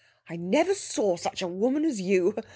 'I never saw such a woman as you!